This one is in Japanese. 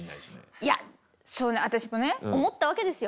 いや私もね思ったわけですよ。